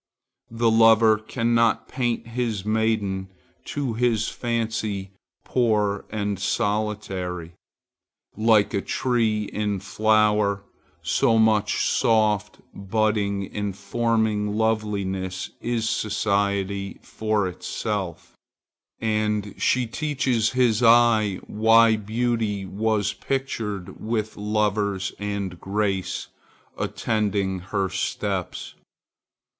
The lover cannot paint his maiden to his fancy poor and solitary. Like a tree in flower, so much soft, budding, informing loveliness is society for itself; and she teaches his eye why Beauty was pictured with Loves and Graces attending her steps.